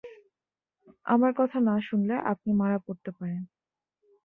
আমার কথা না শুনলে আপনি মারা পড়তে পারেন।